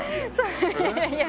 いやいや。